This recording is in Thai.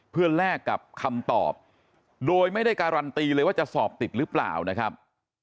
เพื่อแลกกับคำตอบโดยไม่ได้การันตีเลยว่าจะสอบติดหรือเปล่านะครับ